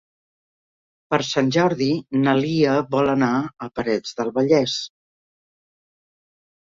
Per Sant Jordi na Lia vol anar a Parets del Vallès.